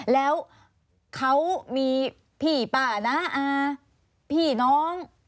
แล้วเขามีพี่ป่านะพี่น้อง